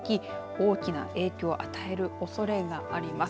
大きな影響を与えるおそれがあります。